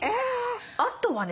あとはね